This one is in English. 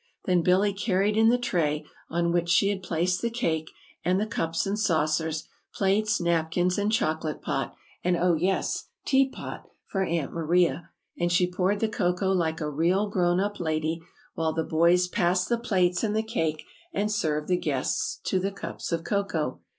Then Billy carried in the tray, on which she had placed the cake, and the cups and saucers, plates, napkins, and Chocolate Pot, and, oh, yes, Tea Pot, for Aunt Maria; and she poured the cocoa like a real grown lady, while the boys passed the plates and the cake, and served the guests to the cups of cocoa.